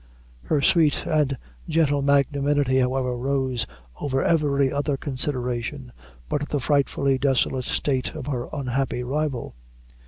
Her sweet and gentle magnanimity, however, rose over every other consideration but the frightfully desolate state of her unhappy rival.